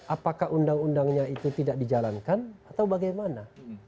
apakah undang undangnya itu tidak dijalankan atau bagaimana